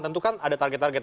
tentu kan ada target target